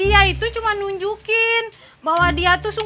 nanti yang diinginkan dua orang